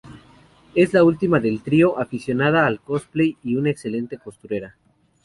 Es la última del trío, aficionada al cosplay y una excelente costurera.